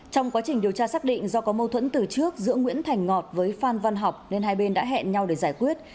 trong quá trình điều tra xác định do có mâu thuẫn từ trước giữa nguyễn thành ngọt với phan văn học nên hai bên đã hẹn nhau để giải quyết